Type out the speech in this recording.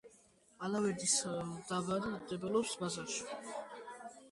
მდებარეობს მდინარე პატარა ლიახვის მარჯვენა ნაპირზე, გუდისის ქედის სამხრეთ კალთაზე.